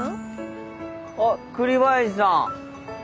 あっ栗林さん。